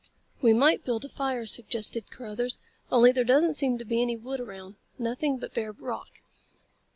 "We might build a fire," suggested Carruthers, "only there doesn't seem to be any wood around. Nothing but bare rock."